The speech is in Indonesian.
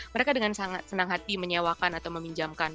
mereka dengan sangat senang hati menyewakan atau meminjamkan